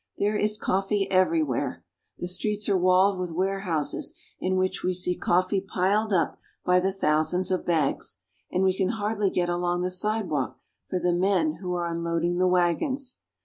There is coffee everywhere. The streets are walled with warehouses in which we see coffee piled up by the thousands of bags, and we can hardly get "along the sidewalk for the men who are unloading the wagons.